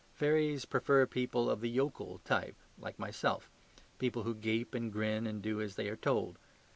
Fairies prefer people of the yokel type like myself; people who gape and grin and do as they are told.